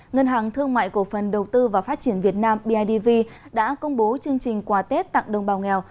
ngân hàng thương mại cổ phần đầu tư và phát triển việt nam bidv đã công bố chương trình quà tết tặng đồng bào nghèo